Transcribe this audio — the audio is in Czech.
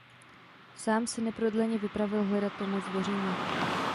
Sám se neprodleně vypravil hledat pomoc do Říma.